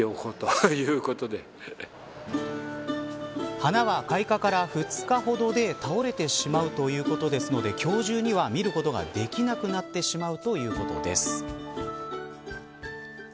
花は開花から２日ほどで倒れてしまうということですので今日中には見ることができなくなってしまうということです。